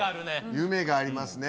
夢がありますね